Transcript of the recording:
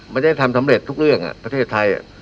มันจะทำสำเร็จทุกเรื่องอ่ะประเทศไทยอ่ะ